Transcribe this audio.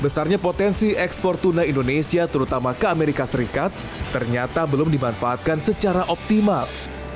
besarnya potensi ekspor tuna indonesia terutama ke amerika serikat ternyata belum dimanfaatkan secara optimal